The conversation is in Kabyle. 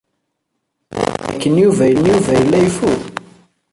Nwiɣ dakken Yuba yella yeffud.